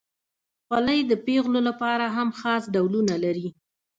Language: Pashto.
خولۍ د پیغلو لپاره هم خاص ډولونه لري.